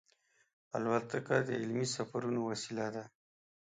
الوتکه د علمي سفرونو وسیله ده.